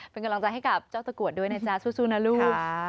เป็นกำลังใจให้กับเจ้าตะกรวดด้วยนะจ๊ะสู้นะลูก